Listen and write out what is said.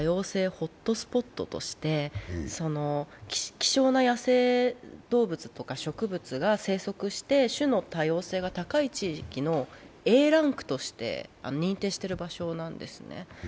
ホットスポットとして希少な野生動物とか植物が生息して種の多様性が高い地域のＡランクとして認定している場所なんですね。